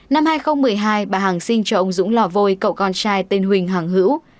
năm hai nghìn một mươi hai bà hằng sinh cho ông dũng lò vôi cậu con trai tên huỳnh hoàng hữu